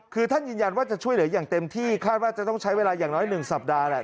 คือท่านยืนยันว่าจะช่วยเหลืออย่างเต็มที่คาดว่าจะต้องใช้เวลาอย่างน้อย๑สัปดาห์แหละ